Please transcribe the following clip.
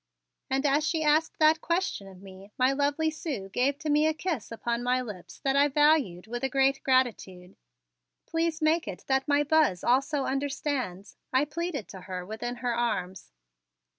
And as she asked that question of me, my lovely Sue gave to me a kiss upon my lips that I valued with a great gratitude. "Please make it that my Buzz also understands," I pleaded to her within her arms.